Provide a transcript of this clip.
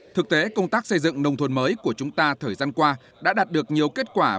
thực tế công tác xây dựng nông thôn mới của chúng ta thời gian qua đã đạt được nhiều kết quả